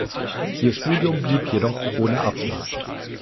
Ihr Studium blieb jedoch ohne Abschluss.